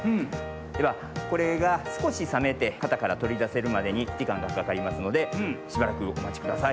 ではこれがすこしさめてかたからとりだせるまでにじかんがかかりますのでしばらくおまちください。